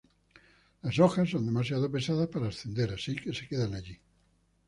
Las hojas son demasiado pesadas para ascender, así que se quedan allí.